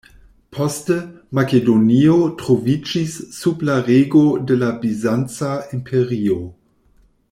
Poste, Makedonio troviĝis sub la rego de la Bizanca imperio.